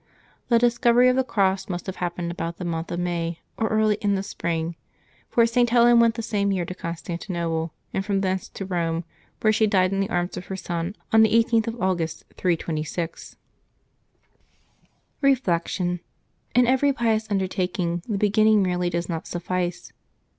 The discovery of the cross must have happened about the month of May, or early in the spring; for St. Helen went the same year to Constantinople, and from thence to Eome, where she died in the arms of her son on the 18th of August, 326. Reflection. — In every pious undertaking the beginning merely does not suffice.